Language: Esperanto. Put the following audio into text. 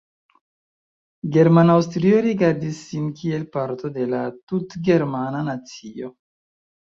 German-Aŭstrio rigardis sin kiel parto de la tutgermana nacio.